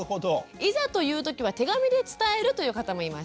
いざという時は手紙で伝えるという方もいました。